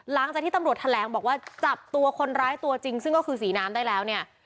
หลังจากที่ตำรวจแถลงบอกว่าจับตัวคนร้ายตัวจริงซึ่งก็คือสีน้ำได้แล้วเนี่ย